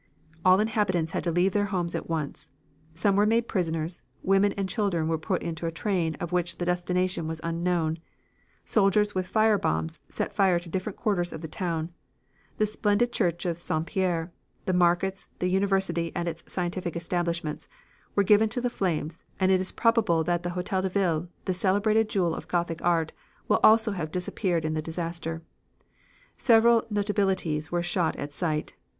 All inhabitants had to leave their homes at once; some were made prisoners; women and children were put into a train of which the destination was unknown; soldiers with fire bombs set fire to the different quarters of the town; the splendid Church of St. Pierre, the markets, the university and its scientific establishments, were given to the flames, and it is probable that the Hotel de Ville, this celebrated jewel of Gothic art, will also have disappeared in the disaster. Several notabilities were shot at sight.